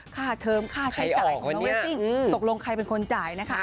ค่าเทิมค่าใช้จ่ายของน้องเรสซิ่งตกลงใครเป็นคนจ่ายนะคะ